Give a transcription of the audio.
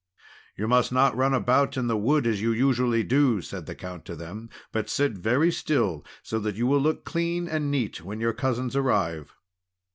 "You must not run about in the wood, as you usually do," said the Count to them, "but sit very still so that you will look clean and neat when your cousins arrive."